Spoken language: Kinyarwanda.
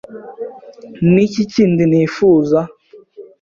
Ni iki kindi nifuza?